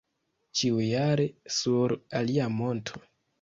Ĉiujare sur alia monto.